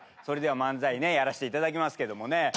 それでは漫才ねやらしていただきますけどもね。